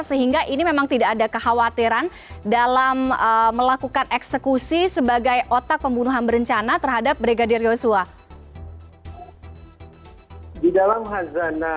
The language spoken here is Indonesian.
sehingga ini memang tidak ada kekhawatiran dalam melakukan eksekusi sebagai otak pembunuhan berencana terhadap brigadir yosua